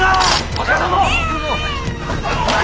若殿！